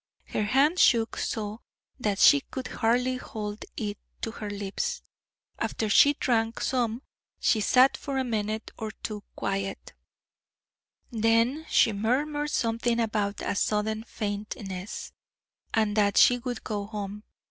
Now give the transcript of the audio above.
Her hand shook so that she could hardly hold it to her lips. After she drank some she sat for a minute or two quiet, then she murmured something about a sudden faintness, and that she would go home.